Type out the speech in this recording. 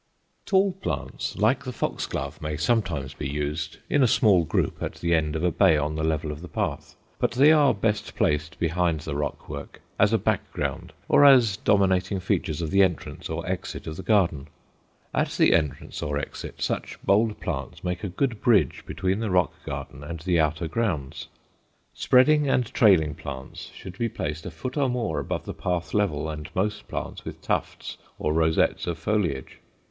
Tall plants, like the foxglove, may sometimes be used, in a small group, at the end of a bay on the level of the path; but they are best placed behind the rock work, as a background, or as dominating features of the entrance or exit of the garden. At the entrance or exit such bold plants make a good bridge between the rock garden and the outer grounds. Spreading and trailing plants should be placed a foot or more above the path level and most plants with tufts or rosettes of foliage.